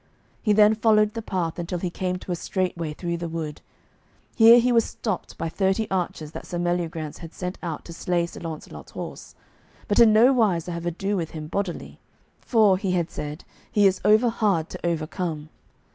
He then followed the path until he came to a straight way through the wood. Here he was stopped by thirty archers that Sir Meliagrance had sent out to slay Sir Launcelot's horse, but in no wise to have ado with him bodily, "for," he had said, "he is overhard to overcome."